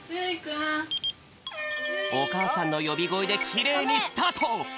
おかあさんのよびごえできれいにスタート！